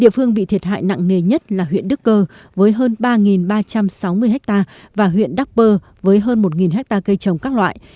địa phương bị thiệt hại nặng nề nhất là huyện đức cơ với hơn ba ba trăm sáu mươi ha và huyện đắc bơ với hơn một hectare cây trồng các loại